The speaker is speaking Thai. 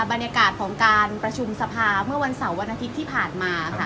บรรยากาศของการประชุมสภาเมื่อวันเสาร์วันอาทิตย์ที่ผ่านมาค่ะ